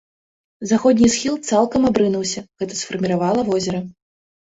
Заходні схіл цалкам абрынуўся, гэта сфарміравала возера.